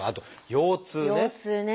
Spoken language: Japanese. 腰痛ね。